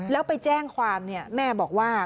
แล้วไปแจ้งความแม่บอกว่า